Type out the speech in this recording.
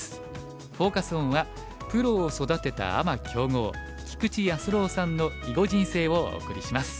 フォーカス・オンは「プロを育てたアマ強豪菊池康郎さんの囲碁人生」をお送りします。